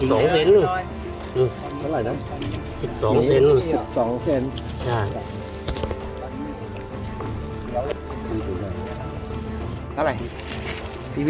ตอนนี้เจออะไรบ้างครับ